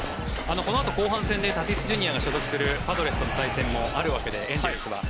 このあと後半戦でタティスＪｒ．が所属するパドレスとの対戦もあるわけでエンゼルスは。